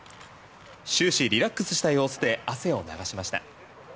終始リラックスした様子で汗を流しました。